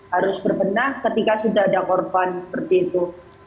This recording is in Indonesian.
harus berbenah ketika sudah ada korban seperti itu